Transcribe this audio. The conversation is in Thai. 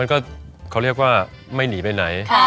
ก็เขาเรียกว่าไม่หนีไปไหน